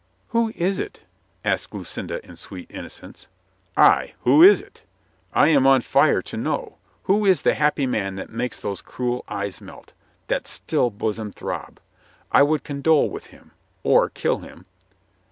"Who Is it?" asked Lucinda in sweet innocence. "Ay, who is it? I am on fire to know. Who is the happy man that makes those cruel eyes melt, that still bosom throb? I would condole with him — or kill him."